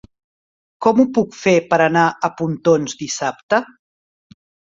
Com ho puc fer per anar a Pontons dissabte?